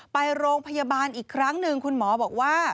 ไปโรงพยาบาลอีกครั้งหนึ่งคุณหมอบอกว่า